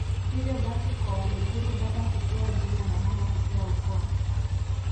Hivyo basi kwa Waluguru baba hutoa jina na mama hutoa ukoo